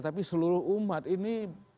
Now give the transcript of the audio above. tapi seluruh umat ini